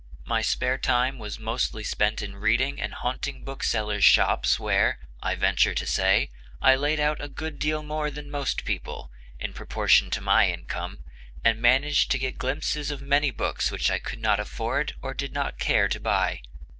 My spare time was mostly spent in reading and haunting booksellers' shops where, I venture to say, I laid out a good deal more than most people, in proportion to my income, and managed to get glimpses of many books which I could not afford or did not care to buy.